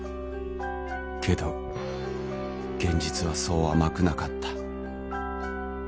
けど現実はそう甘くなかった。